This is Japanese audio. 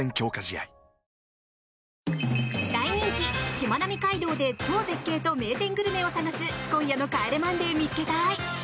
しまなみ海道で超絶景と名店グルメを探す今夜の「帰れマンデー見っけ隊！！」。